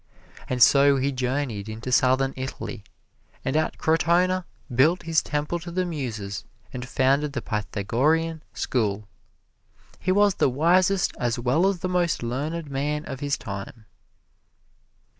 And so he journeyed into Southern Italy, and at Crotona built his Temple to the Muses and founded the Pythagorean School. He was the wisest as well as the most learned man of his time.